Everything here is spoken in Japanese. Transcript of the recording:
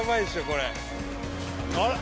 これあれ？